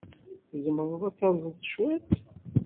Tzemreḍ ad taẓeḍ cwiṭ?